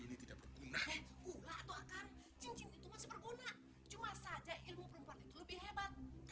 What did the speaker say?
ini tidak berguna atau akan cincin itu masih berguna cuma saja ilmu perempuan itu lebih hebat